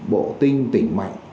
bộ tinh tỉnh mạnh